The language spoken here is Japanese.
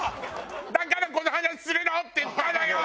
だから「この話するの？」って言ったのよ！